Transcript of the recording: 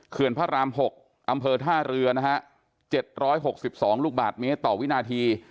พระราม๖อำเภอท่าเรือนะฮะ๗๖๒ลูกบาทเมตรต่อวินาที